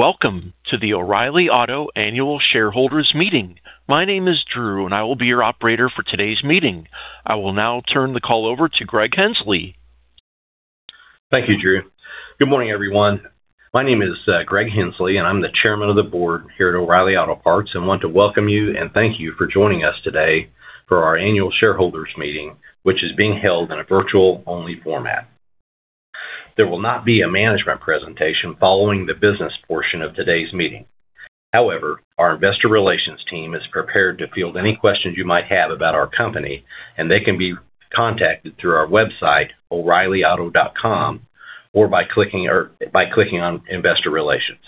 Welcome to the O'Reilly Auto Annual Shareholders Meeting. My name is Drew, and I will be your operator for today's meeting. I will now turn the call over to Greg Henslee. Thank you, Drew. Good morning, everyone. My name is Greg Henslee, and I'm the Chairman of the Board here at O'Reilly Auto Parts and want to welcome you and thank you for joining us today for our annual shareholders meeting, which is being held in a virtual-only format. There will not be a management presentation following the business portion of today's meeting. However, our investor relations team is prepared to field any questions you might have about our company, and they can be contacted through our website, oreillyauto.com, or by clicking on Investor Relations.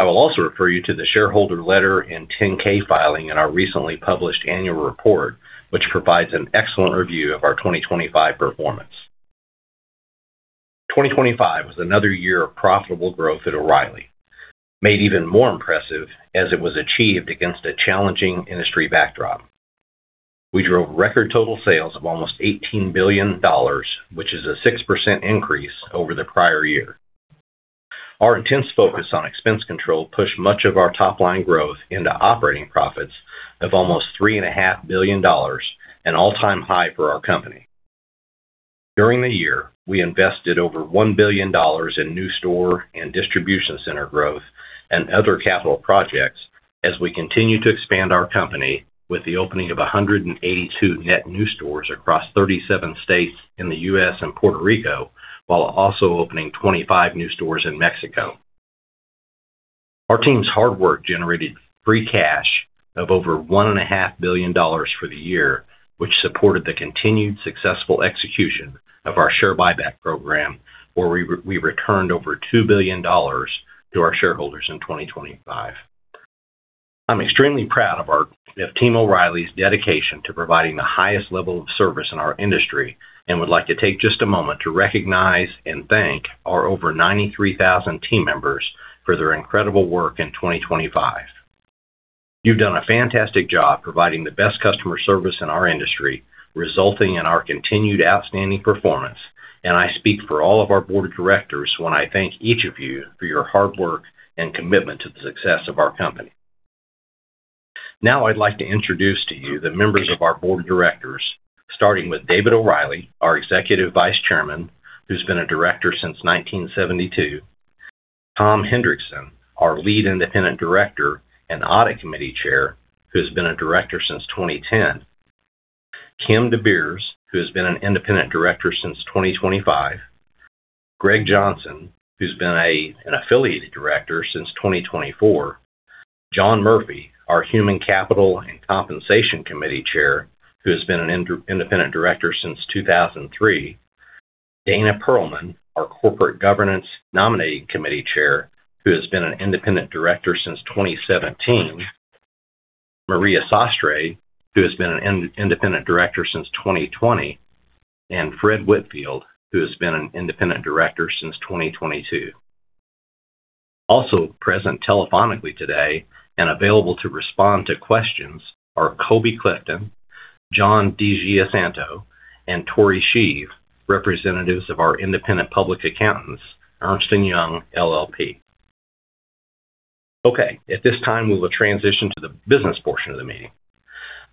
I will also refer you to the shareholder letter and 10-K filing in our recently published annual report, which provides an excellent review of our 2025 performance. 2025 was another year of profitable growth at O'Reilly, made even more impressive as it was achieved against a challenging industry backdrop. We drove record total sales of almost $18 billion, which is a 6% increase over the prior year. Our intense focus on expense control pushed much of our top-line growth into operating profits of almost $3.5 billion, an all-time high for our company. During the year, we invested over $1 billion in new store and distribution center growth and other capital projects as we continue to expand our company with the opening of 182 net new stores across 37 states in the U.S. and Puerto Rico, while also opening 25 new stores in Mexico. Our team's hard work generated free cash of over one and a half billion dollars for the year, which supported the continued successful execution of our share buyback program, where we returned over $2 billion to our shareholders in 2025. I'm extremely proud of our Team O'Reilly's dedication to providing the highest level of service in our industry and would like to take just a moment to recognize and thank our over 93,000 team members for their incredible work in 2025. You've done a fantastic job providing the best customer service in our industry, resulting in our continued outstanding performance, and I speak for all of our board of directors when I thank each of you for your hard work and commitment to the success of our company. Now, I'd like to introduce to you the members of our Board of Directors, starting with David O'Reilly, our Executive Vice Chairman, who's been a Director since 1972, Tom Hendrickson, our Lead Independent Director and Audit Committee Chair, who's been a Director since 2010, Kim DeBeers, who has been an Independent Director since 2025, Greg Johnson, who's been an Affiliated Director since 2024, John Murphy, our Human Capital and Compensation Committee Chair, who has been an Independent Director since 2003, Dana Perlman, our Corporate Governance Nominating Committee Chair, who has been an Independent Director since 2017, Maria Sastre, who has been an Independent Director since 2020, and Fred Whitfield, who has been an Independent Director since 2022. Also present telephonically today and available to respond to questions are Cole Clifton, John DiGiusanto, and Torie Sheave, representatives of our independent public accountants, Ernst & Young LLP. Okay, at this time, we will transition to the business portion of the meeting.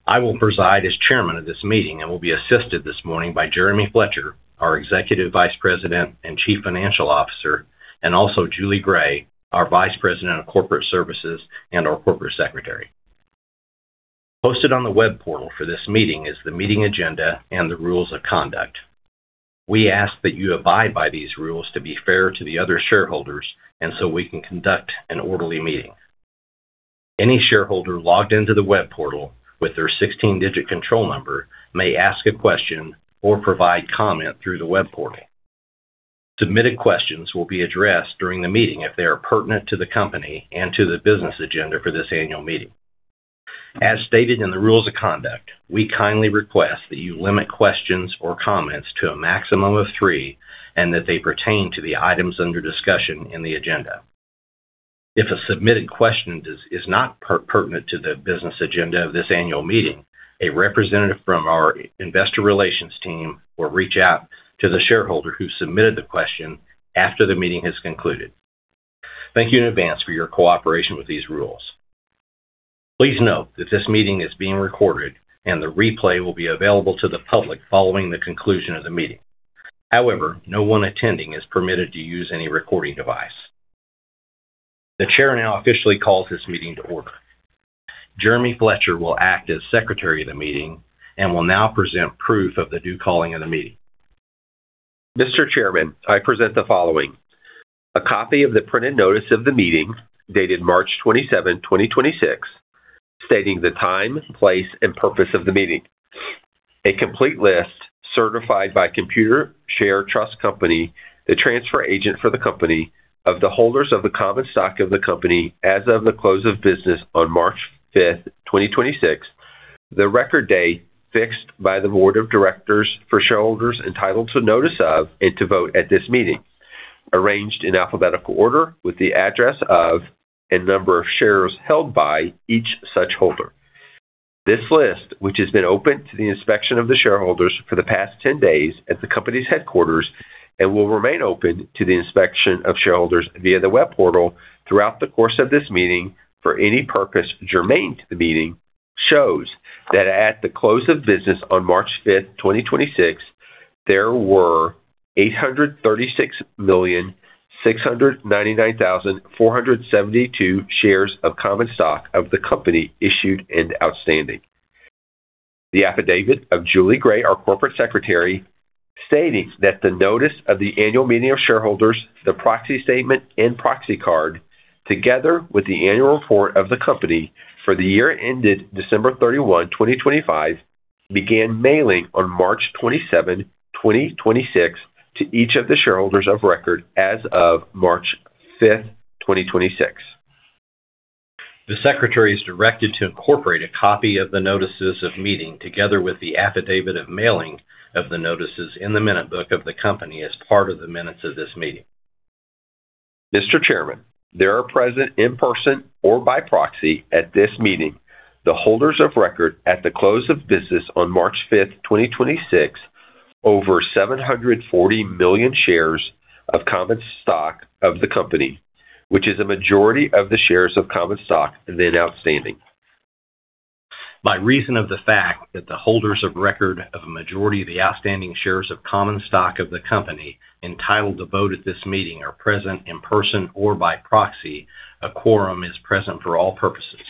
I will preside as Chairman of this meeting and will be assisted this morning by Jeremy Fletcher, our Executive Vice President and Chief Financial Officer, and also Julie Gray, our Vice President of Corporate Services and our corporate secretary. Posted on the web portal for this meeting is the meeting agenda and the rules of conduct. We ask that you abide by these rules to be fair to the other shareholders and so we can conduct an orderly meeting. Any shareholder logged into the web portal with their 16-digit control number may ask a question or provide comment through the web portal. Submitted questions will be addressed during the meeting if they are pertinent to the company and to the business agenda for this annual meeting. As stated in the rules of conduct, we kindly request that you limit questions or comments to a maximum of three and that they pertain to the items under discussion in the agenda. If a submitted question is not pertinent to the business agenda of this annual meeting, a representative from our investor relations team will reach out to the shareholder who submitted the question after the meeting has concluded. Thank you in advance for your cooperation with these rules. Please note that this meeting is being recorded, and the replay will be available to the public following the conclusion of the meeting. However, no one attending is permitted to use any recording device. The chair now officially calls this meeting to order. Jeremy Fletcher will act as secretary of the meeting and will now present proof of the due calling of the meeting. Mr. Chairman, I present the following: a copy of the printed notice of the meeting dated March 27th, 2026, stating the time, place, and purpose of the meeting. A complete list certified by Computershare Trust Company, the transfer agent for the company, of the holders of the common stock of the company as of the close of business on March 5th, 2026, the record date fixed by the board of directors for shareholders entitled to notice of and to vote at this meeting, arranged in alphabetical order with the address of and number of shares held by each such holder. This list, which has been open to the inspection of the shareholders for the past 10 days at the company's headquarters and will remain open to the inspection of shareholders via the web portal throughout the course of this meeting for any purpose germane to the meeting, shows that at the close of business on March 5th, 2026, there were 836,699,472 shares of common stock of the company issued and outstanding. The affidavit of Julie Gray, our corporate secretary, stating that the notice of the annual meeting of shareholders, the proxy statement and proxy card, together with the annual report of the company for the year ended December 31st, 2025, began mailing on March 27th, 2026, to each of the shareholders of record as of March 5th, 2026. The Secretary is directed to incorporate a copy of the notices of meeting together with the affidavit of mailing of the notices in the minute book of the company as part of the minutes of this meeting. Mr. Chairman, there are present in person or by proxy at this meeting the holders of record at the close of business on March 5th, 2026, over 740 million shares of common stock of the company, which is a majority of the shares of common stock then outstanding. By reason of the fact that the holders of record of a majority of the outstanding shares of common stock of the company entitled to vote at this meeting are present in person or by proxy, a quorum is present for all purposes.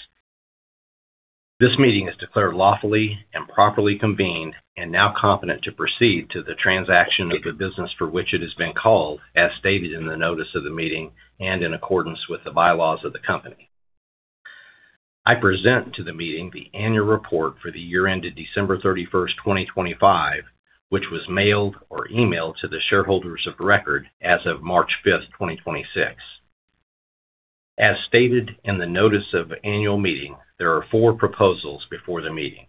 This meeting is declared lawfully and properly convened and now competent to proceed to the transaction of the business for which it has been called, as stated in the notice of the meeting and in accordance with the bylaws of the company. I present to the meeting the annual report for the year ended December 31st, 2025, which was mailed or emailed to the shareholders of record as of March 5th, 2026. As stated in the notice of annual meeting, there are four proposals before the meeting.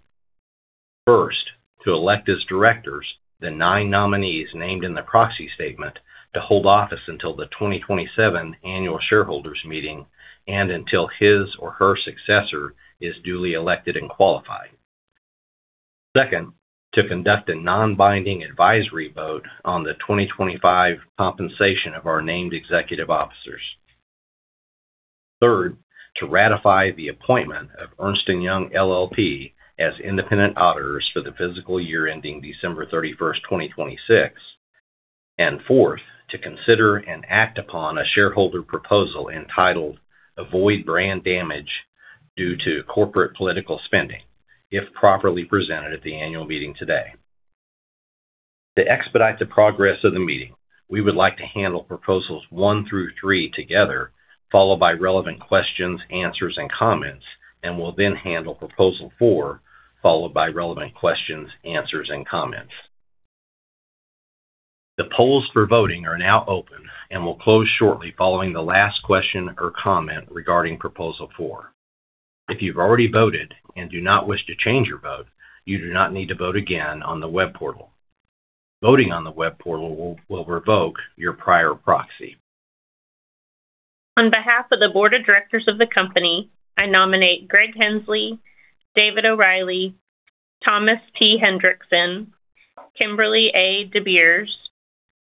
First, to elect as directors the nine nominees named in the proxy statement to hold office until the 2027 annual shareholders meeting and until his or her successor is duly elected and qualified. Second, to conduct a non-binding advisory vote on the 2025 compensation of our named executive officers. Third, to ratify the appointment of Ernst & Young LLP as independent auditors for the fiscal year ending December 31st, 2026. Fourth, to consider and act upon a shareholder proposal entitled Avoid Brand Damage Due to Corporate Political Spending if properly presented at the annual meeting today. To expedite the progress of the meeting, we would like to handle proposals one through three together, followed by relevant questions, answers, and comments, and will then handle proposal four, followed by relevant questions, answers, and comments. The polls for voting are now open and will close shortly following the last question or comment regarding Proposal 4. If you've already voted and do not wish to change your vote, you do not need to vote again on the web portal. Voting on the web portal will revoke your prior proxy. On behalf of the board of directors of the company, I nominate Greg Henslee, David O'Reilly, Thomas T. Hendrickson, Kimberly A. deBeers,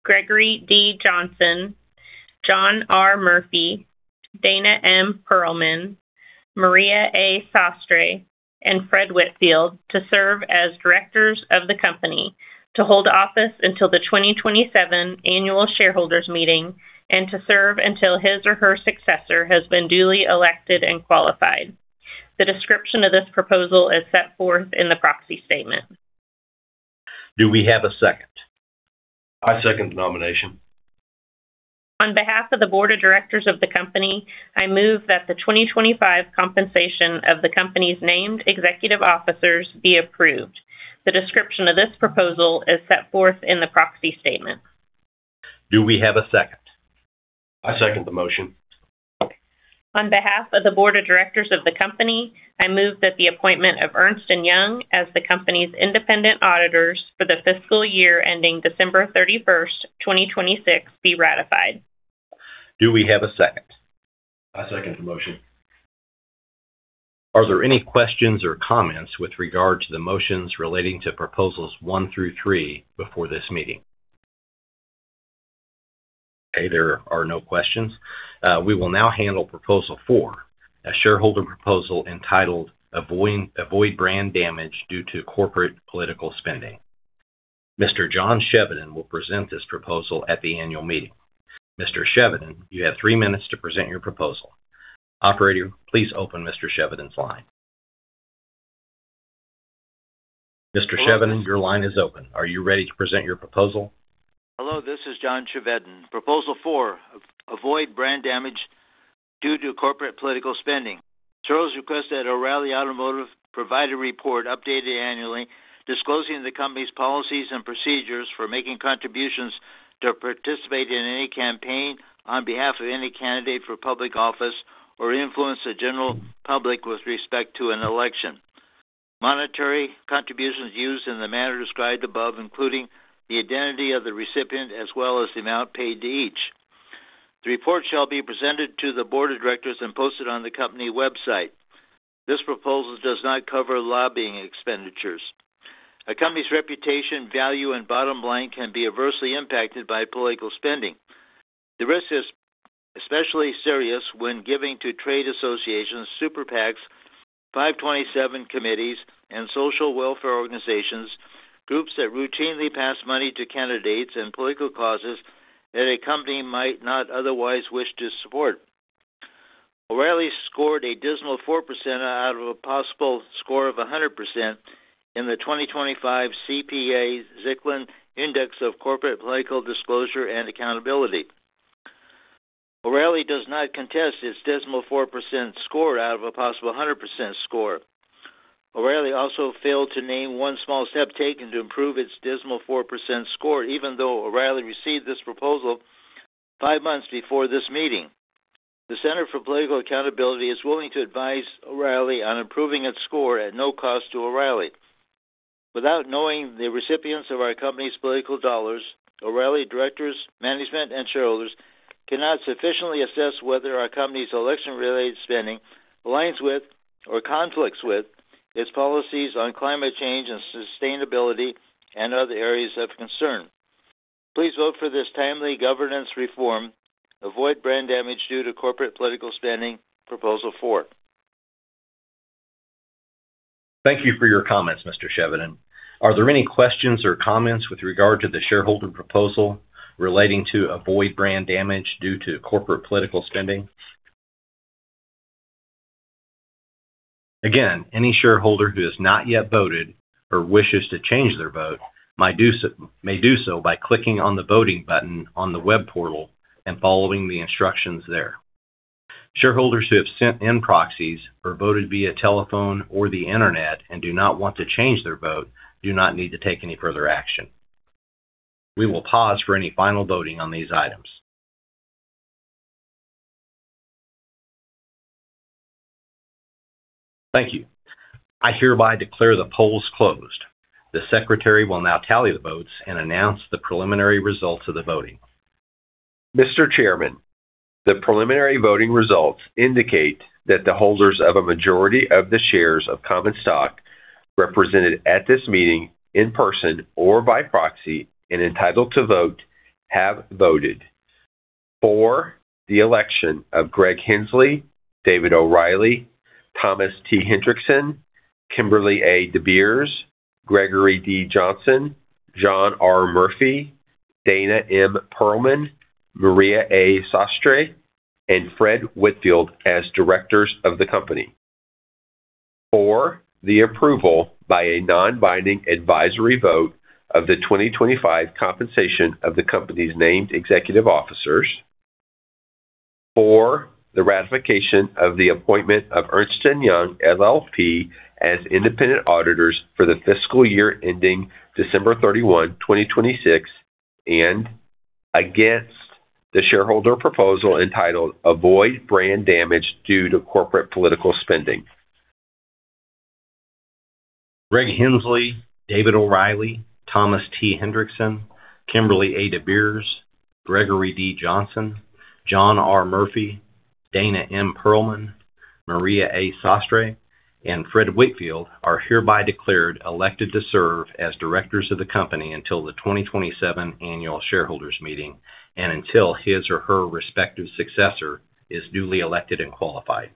Gregory D. Johnson, John R. Murphy, Dana M. Perlman, Maria A. Sastre, and Fred Whitfield to serve as directors of the company to hold office until the 2027 annual shareholders meeting and to serve until his or her successor has been duly elected and qualified. The description of this proposal is set forth in the proxy statement. Do we have a second? I second the nomination. On behalf of the board of directors of the company, I move that the 2025 compensation of the company's named executive officers be approved. The description of this proposal is set forth in the proxy statement. Do we have a second? I second the motion. On behalf of the board of directors of the company, I move that the appointment of Ernst & Young as the company's independent auditors for the fiscal year ending December 31st, 2026, be ratified. Do we have a second? I second the motion. Are there any questions or comments with regard to the motions relating to proposals one through three before this meeting? Okay, there are no questions. We will now handle Proposal 4, a shareholder proposal entitled Avoid Brand Damage Due to Corporate Political Spending. Mr. John Chevedden will present this proposal at the annual meeting. Mr. Chevedden, you have three minutes to present your proposal. Operator, please open Mr. Chevedden's line. Mr. Chevedden, your line is open. Are you ready to present your proposal? Hello, this is John Chevedden. Proposal 4, Avoid Brand Damage Due to Corporate Political Spending. Shares request that O'Reilly Automotive provide a report updated annually disclosing the company's policies and procedures for making contributions to participate in any campaign on behalf of any candidate for public office or influence the general public with respect to an election. Monetary contributions used in the manner described above, including the identity of the recipient as well as the amount paid to each. The report shall be presented to the board of directors and posted on the company website. This proposal does not cover lobbying expenditures. A company's reputation, value, and bottom line can be adversely impacted by political spending. The risk is especially serious when giving to trade associations, super PACs, 527 committees, and social welfare organizations, groups that routinely pass money to candidates and political causes that a company might not otherwise wish to support. O'Reilly scored a dismal 4% out of a possible score of 100% in the 2025 CPA-Zicklin Index of Corporate Political Disclosure and Accountability. O'Reilly does not contest its dismal 4% score out of a possible 100% score. O'Reilly also failed to name one small step taken to improve its dismal 4% score, even though O'Reilly received this proposal five months before this meeting. The Center for Political Accountability is willing to advise O'Reilly on improving its score at no cost to O'Reilly. Without knowing the recipients of our company's political dollars, O'Reilly directors, management, and shareholders cannot sufficiently assess whether our company's election-related spending aligns with or conflicts with its policies on climate change and sustainability and other areas of concern. Please vote for this timely governance reform. Avoid Brand Damage Due to Corporate Political Spending, Proposal 4. Thank you for your comments, Mr. Chevedden. Are there any questions or comments with regard to the shareholder proposal relating to Avoid Brand Damage Due to Corporate Political Spending? Again, any shareholder who has not yet voted or wishes to change their vote may do so by clicking on the voting button on the web portal and following the instructions there. Shareholders who have sent in proxies or voted via telephone or the Internet and do not want to change their vote do not need to take any further action. We will pause for any final voting on these items. Thank you. I hereby declare the polls closed. The secretary will now tally the votes and announce the preliminary results of the voting. Mr. Chairman, the preliminary voting results indicate that the holders of a majority of the shares of common stock represented at this meeting in person or by proxy and entitled to vote have voted for the election of Greg Henslee, David O'Reilly, Thomas T. Hendrickson, Kimberly A. deBeers, Gregory D. Johnson, John R. Murphy, Dana M. Perlman, Maria A. Sastre, and Fred Whitfield as directors of the company. For the approval by a non-binding advisory vote of the 2025 compensation of the company's named executive officers. For the ratification of the appointment of Ernst & Young LLP as independent auditors for the fiscal year ending December 31st, 2026. Against the shareholder proposal entitled Avoid Brand Damage Due to Corporate Political Spending. Greg Henslee, David O'Reilly, Thomas T. Hendrickson, Kimberly A. deBeers, Gregory D. Johnson, John R. Murphy, Dana M. Perlman, Maria A. Sastre, and Fred Whitfield are hereby declared elected to serve as directors of the company until the 2027 annual shareholders meeting and until his or her respective successor is duly elected and qualified.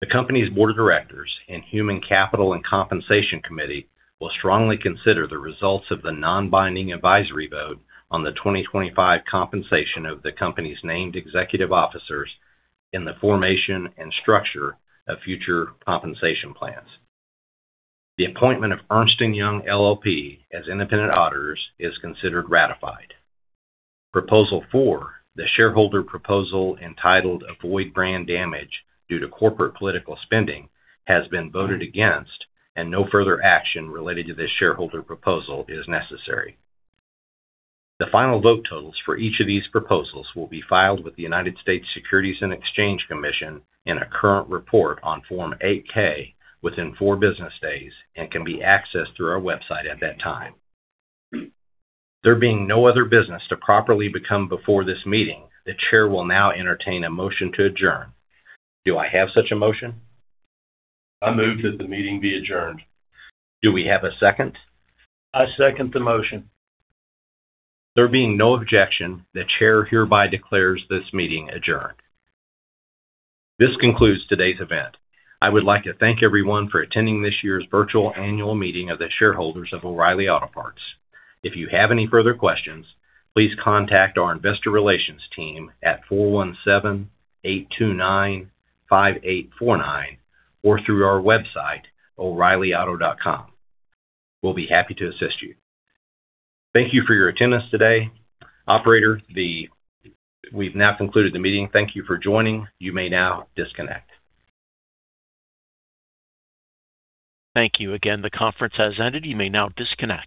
The company's board of directors and Human Capital and Compensation Committee will strongly consider the results of the non-binding advisory vote on the 2025 compensation of the company's named executive officers in the formation and structure of future compensation plans. The appointment of Ernst & Young LLP as independent auditors is considered ratified. Proposal 4, the shareholder proposal entitled Avoid Brand Damage Due to Corporate Political Spending, has been voted against, and no further action related to this shareholder proposal is necessary. The final vote totals for each of these proposals will be filed with the United States Securities and Exchange Commission in a current report on Form 8-K within 4 business days and can be accessed through our website at that time. There being no other business to properly become before this meeting, the chair will now entertain a motion to adjourn. Do I have such a motion? I move that the meeting be adjourned. Do we have a second? I second the motion. There being no objection, the chair hereby declares this meeting adjourned. This concludes today's event. I would like to thank everyone for attending this year's virtual annual meeting of the shareholders of O'Reilly Auto Parts. If you have any further questions, please contact our investor relations team at 417-829-5849 or through our website, oreillyauto.com. We'll be happy to assist you. Thank you for your attendance today. Operator, we've now concluded the meeting. Thank you for joining. You may now disconnect. Thank you again. The conference has ended. You may now disconnect.